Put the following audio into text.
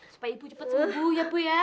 supaya ibu cepat sembuh ya bu ya